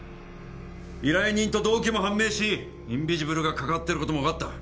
依頼人と動機も判明しインビジブルが関わってることも分かった